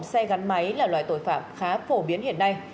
xe gắn máy là loại tội phạm khá phổ biến hiện nay